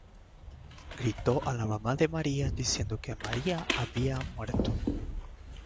Gritó a la mamá de María, diciendo que María había muerto.